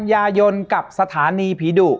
ยายนกับสถานีผีดุ